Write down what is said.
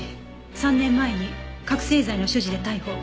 ３年前に覚せい剤の所持で逮捕。